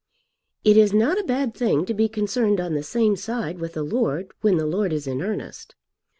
It is not a bad thing to be concerned on the same side with a lord when the lord is in earnest.